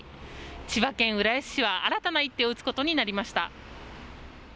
千葉県浦安市は新たな一手を打つことになりました。